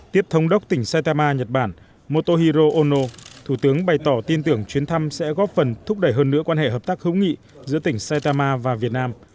tiếp thống đốc tỉnh saitama nhật bản motohiro ono thủ tướng bày tỏ tin tưởng chuyến thăm sẽ góp phần thúc đẩy hơn nữa quan hệ hợp tác hữu nghị giữa tỉnh saitama và việt nam